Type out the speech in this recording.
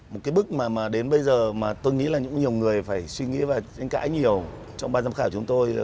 một cái bức mà đến bây giờ mà tôi nghĩ là cũng nhiều người phải suy nghĩ và tranh cãi nhiều trong ban giám khảo chúng tôi